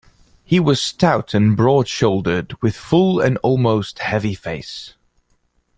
He was stout and broad-shouldered, with a full and almost heavy face.